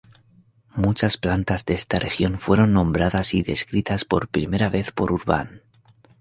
Muchas plantas de esta región fueron nombradas y descritas por primera vez por Urban.